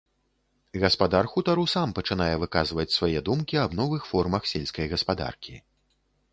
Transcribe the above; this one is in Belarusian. Гаспадар хутару сам пачынае выказваць свае думкі аб новых формах сельскай гаспадаркі.